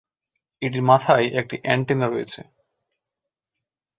এটির মাথায় একটি অ্যান্টেনা রয়েছে।